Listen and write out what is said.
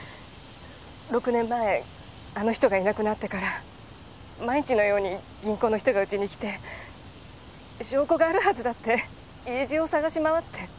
６年前あの人がいなくなってから毎日のように銀行の人がうちに来て証拠があるはずだって家中を探し回って。